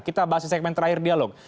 kita bahas di segmen terakhir dialog